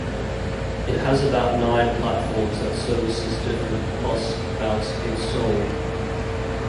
It has about nine platforms that services different bus routes in Seoul.